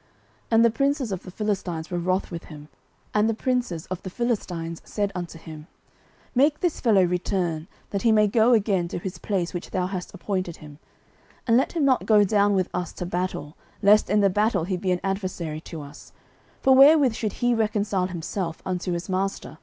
09:029:004 And the princes of the Philistines were wroth with him; and the princes of the Philistines said unto him, Make this fellow return, that he may go again to his place which thou hast appointed him, and let him not go down with us to battle, lest in the battle he be an adversary to us: for wherewith should he reconcile himself unto his master?